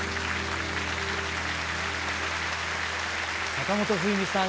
坂本冬美さん